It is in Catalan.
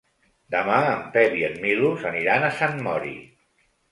Demà en Pep i en Milos aniran a Sant Mori.